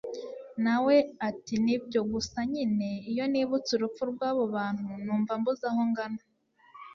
nawe ati nibyo, gusa nyine iyo nibutse urupfu rwabo bantu numva mbuze aho ngana